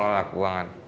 mau lelah keuangan